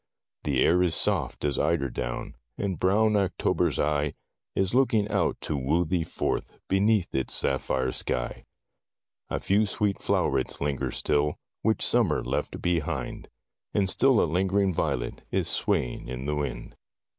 The air is soft as eider down ; And brown October's eye Is looking out to woo thee forth Beneath its sapphire sky. AN AUTUMN INVITATION. 115 A few sweet flow'rets linger still, Which Summer left behind ; And still a lingering violet Is swaying in the wind.